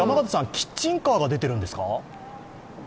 キッチンカーが出てるんですか？